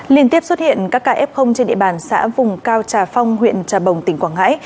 liên tiếp xuất hiện các ca f trên địa bàn xã vùng cao trà phong huyện trà bồng tỉnh quảng ngãi